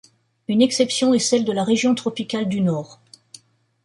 Une exception est celle de la région tropicale du nord.